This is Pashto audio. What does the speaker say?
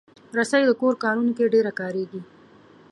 رسۍ د کور کارونو کې ډېره کارېږي.